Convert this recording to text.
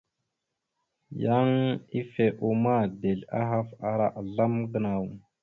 Yan ife uma, dezl ahaf ara azlam gənaw.